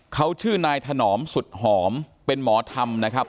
เขาชื่อนายถนอมสุดหอมเป็นหมอธรรมนะครับ